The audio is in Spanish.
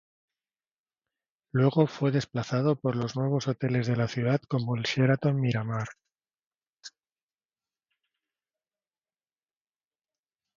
Luego fue desplazado por los nuevos hoteles de la ciudad como el Sheraton Miramar.